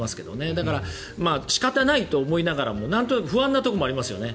だから仕方ないとは思いながらもなんとなく不安なところもありますよね。